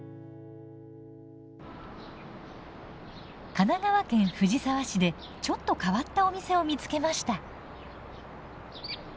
神奈川県藤沢市でちょっと変わったお店を見つけました。